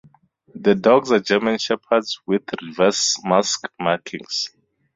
The dogs are German Shepherds with "reverse mask" markings.